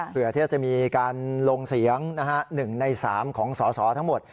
เพื่อที่จะมีการลงเสียง๑ใน๓ของสสทั้งหมด